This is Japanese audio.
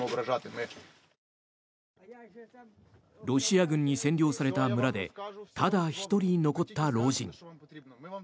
ロシア軍に占領された村でただ１人残った老人。